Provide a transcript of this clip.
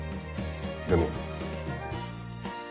でも。